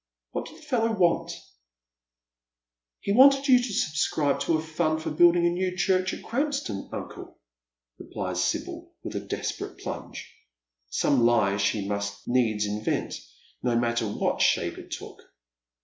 What did the fellow want ?"" He wanted you to subscribe to a fund for building a new church at Krampston, uncle," replies Sibyl, with a desperate plunge. Some lie she must needs invent, no matter what shape it took.